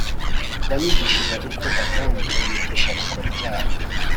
wanyigishije gukunda kandi unyigisha gukora icyaha